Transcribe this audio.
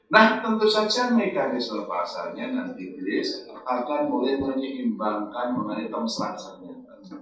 nah tentu saja mekanisme pasarnya nanti grace akan mulai menyeimbangkan mengenai konstructionnya